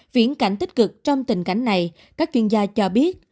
viễn cảnh tích cực trong tình cảnh này các chuyên gia cho biết